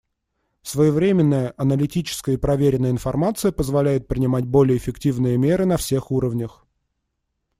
Своевременная, аналитическая и проверенная информация позволяет принимать более эффективные меры на всех уровнях.